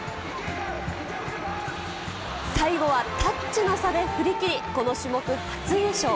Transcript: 最後はタッチの差で振りきり、この種目初優勝。